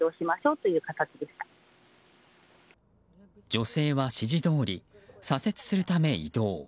女性は指示どおり左折するため移動。